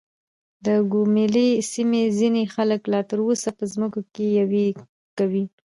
د ګوملې سيمې ځينې خلک لا تر اوسه په ځمکو کې يوې کوي .